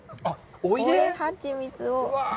追いハチミツを。